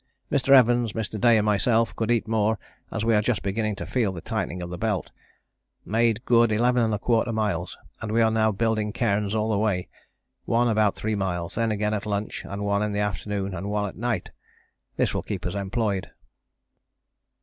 Mr. Evans, Mr. Day and myself could eat more, as we are just beginning to feel the tightening of the belt. Made good 11¼ miles and we are now building cairns all the way, one about three miles: then again at lunch and one in the afternoon and one at night. This will keep us employed.